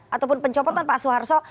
ataupun pencopotan pak suharto